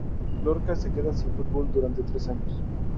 Lorca se queda sin fútbol durante tres años.